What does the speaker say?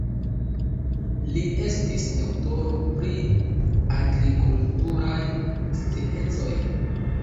Li estis doktoro pri agrikulturaj sciencoj.